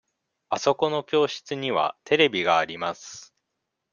あそこの教室にはテレビがあります。